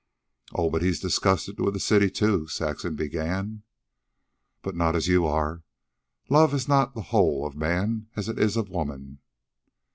"Oh, but he's disgusted with the city, too " Saxon began. "But not as you are. Love is not the whole of man, as it is of woman.